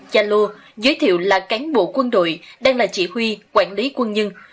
gia lô giới thiệu là cán bộ quân đội đang là chỉ huy quản lý quân nhân